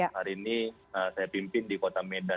hari ini saya pimpin di kota medan